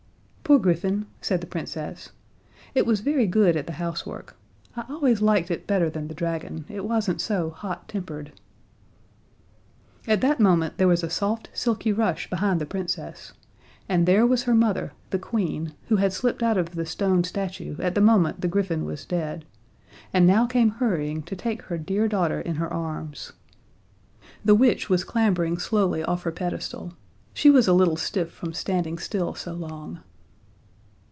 "Poor griffin," said the Princess, "it was very good at the housework. I always liked it better than the dragon: It wasn't so hot tempered." At that moment there was a soft, silky rush behind the Princess, and there was her mother, the Queen, who had slipped out of the stone statue at the moment the griffin was dead, and now came hurrying to take her dear daughter in her arms. The witch was clambering slowly off her pedestal. She was a little stiff from standing still so long.